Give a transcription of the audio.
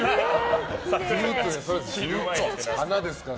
花ですから。